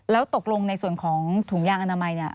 แล้วตกลงในส่วนของถุงยางอนามัยเนี่ย